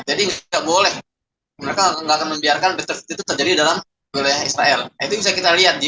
jadi nggak boleh mereka akan membiarkan tetap jadi dalam wilayah israel itu bisa kita lihat di